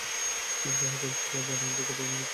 যারা করেছে তারা জানেতো কোথায় কোন ক্যামেরা নেই।